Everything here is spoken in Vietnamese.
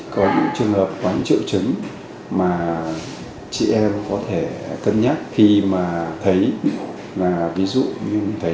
có những trường hợp có những triệu chứng mà chị em có thể cân nhắc khi mà thấy là ví dụ như thấy